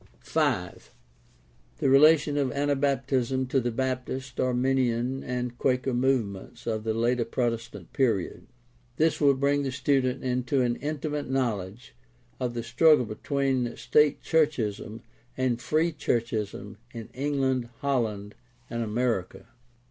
5. The relation of Anabaptism to the Baptist, Arminian, and Quaker movements of the later Protestant period. — This will bring the student into an intimate knowledge of the struggle between state churchism and Free churchism in England, Holland, and America.